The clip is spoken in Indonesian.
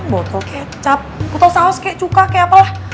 botol kecap botol saus kayak cuka kayak apalah